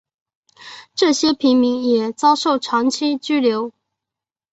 这些平民也遭受长期拘留。